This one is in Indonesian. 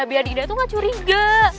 biar dinda tuh gak curiga